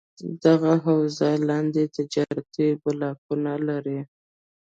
دغه حوزه لاندې تجارتي بلاکونه لري: